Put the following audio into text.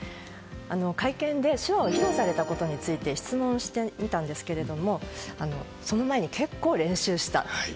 会見で手話を披露されたことについて質問してみたんですがその前に結構、練習した。